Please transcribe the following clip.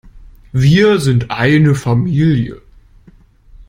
Wir sind eine Familie.